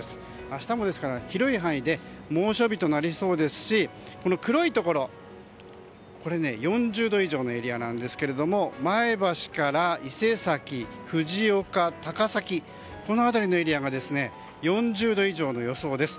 明日も、広い範囲で猛暑日となりそうですし黒いところ、４０度以上のエリアなんですけれども前橋から伊勢崎、藤岡、高崎この辺りのエリアが４０度以上の予想です。